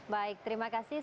baik terima kasih pak